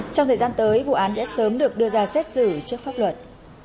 trong thời gian tới vụ án sẽ sớm được đưa ra xét xử trước pháp luật